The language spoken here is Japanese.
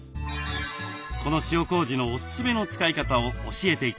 この塩こうじのおすすめの使い方を教えて頂きます。